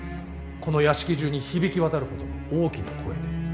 この屋敷中に響き渡るほどの大きな声で。